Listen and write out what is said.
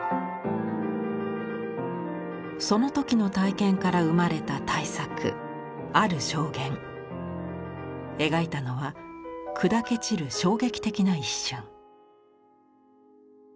その時の体験から生まれた大作描いたのは砕け散る衝撃的な一瞬。